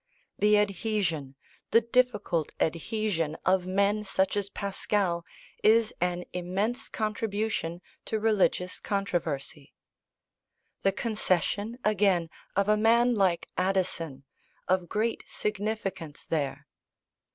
The adhesion, the difficult adhesion, of men such as Pascal, is an immense contribution to religious controversy; the concession, again, of a man like Addison, of great significance there.